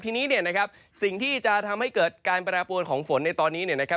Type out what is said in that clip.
ที่นี้เนี่ยนะครับที่จะทำให้เกิดประปวดของฝนตอนนี้นะครับ